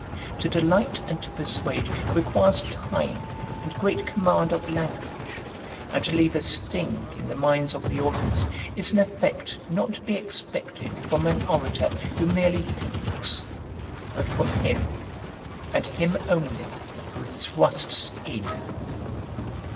To delight and to persuade requires time and great command of language; and to leave a sting in the minds of the audience is an effect not to be expected from an orator who merely pinks, but from him, and him only, who thrusts in.